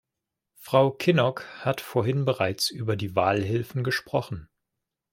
Frau Kinnock hat vorhin bereits über die Wahlhilfen gesprochen.